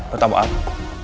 lo tau apa